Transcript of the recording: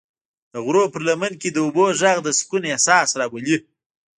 د غرونو پر لمن کې د اوبو غږ د سکون احساس راولي.